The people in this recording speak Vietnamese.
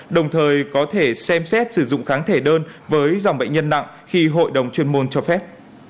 đồng thời có thể xem xét sử dụng kháng thể đơn với dòng bệnh nhân nặng khi hội đồng chuyên môn cho phép